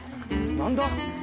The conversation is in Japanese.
何だ？